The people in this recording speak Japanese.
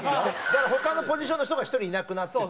だから他のポジションの人が１人がいなくなって。